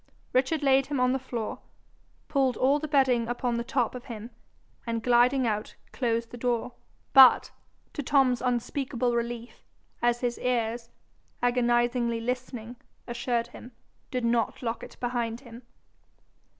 Richard laid him on the floor, pulled all the bedding upon the top of him, and gliding out, closed the door, but, to Tom's unspeakable relief, as his ears, agonizedly listening, assured him, did not lock it behind him.